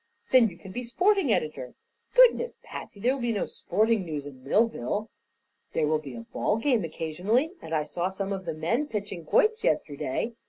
"Then you can be sporting editor." "Goodness, Patsy! There will be no sporting news in Millville." "There will be a ball game occasionally, and I saw some of the men pitching quoits yesterday.